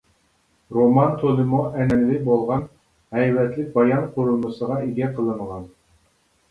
رومان تولىمۇ ئەنئەنىۋى بولغان ھەيۋەتلىك بايان قۇرۇلمىسىغا ئىگە قىلىنغان.